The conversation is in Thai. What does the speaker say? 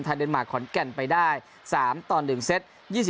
เดนมาร์คขอนแก่นไปได้๓ต่อ๑เซต